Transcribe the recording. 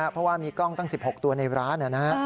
เพราะว่ามีกล้องตั้ง๑๖ตัวในร้าน